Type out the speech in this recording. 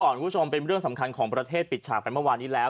คุณผู้ชมเป็นเรื่องสำคัญของประเทศปิดฉากไปเมื่อวานนี้แล้ว